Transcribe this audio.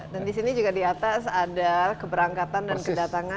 dan di sini juga di atas ada keberangkatan dan kedatangan